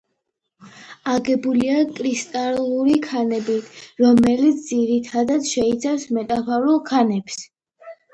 აგებულია კრისტალური ქანებით, რომელიც ძირითადად შეიცავს მეტამორფულ ქანებს.